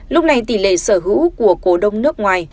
lúc này tỷ lệ sở hữu của cổ đông nước ngoài